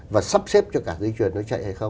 và sắp xếp cho cả dây chuyền nó chạy hay không